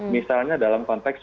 misalnya dalam konteks